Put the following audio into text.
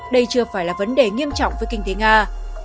đây chưa phải là vấn đề nghiêm trọng với kinh tế nga